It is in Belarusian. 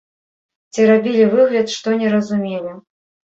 Ці рабілі выгляд, што не разумелі.